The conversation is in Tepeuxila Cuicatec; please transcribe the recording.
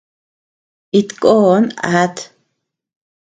It koon at.